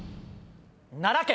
奈良県。